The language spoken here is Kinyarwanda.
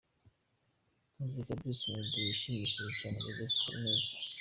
Muzika ya Bruce Melodie yashimishije cyane Joseph Habineza.